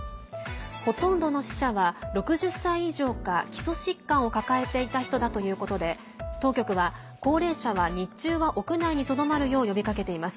ほとんどの死者は６０歳以上か基礎疾患を抱えていた人だということで当局は、高齢者は日中は屋内にとどまるよう呼びかけています。